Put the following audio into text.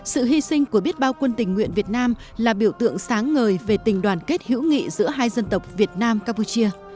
sự hy sinh của biết bao quân tình nguyện việt nam là biểu tượng sáng ngời về tình đoàn kết hữu nghị giữa hai dân tộc việt nam campuchia